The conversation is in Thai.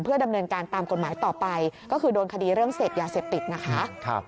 ดำเนินการตามกฎหมายต่อไปก็คือโดนคดีเรื่องเสพยาเสพติดนะคะ